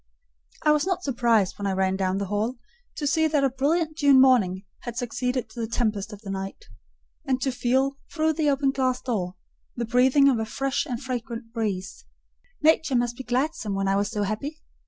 I was not surprised, when I ran down into the hall, to see that a brilliant June morning had succeeded to the tempest of the night; and to feel, through the open glass door, the breathing of a fresh and fragrant breeze. Nature must be gladsome when I was so happy.